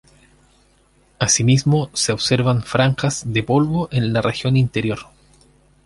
Asimismo, se observan franjas de polvo en la región interior.